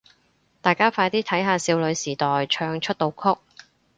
大家快啲睇下少女時代唱出道曲